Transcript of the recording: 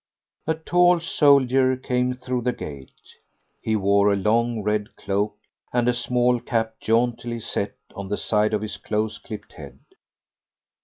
A tall soldier came through the gate. He wore a long red cloak, and a small cap jauntily set on the side of his close clipped head.